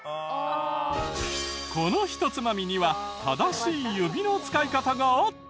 この「ひとつまみ」には正しい指の使い方があった！